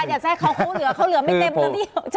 เดี๋ยวสิอาจารย์อยากใส่เขาเขาเหลือไม่เต็มแล้วนี่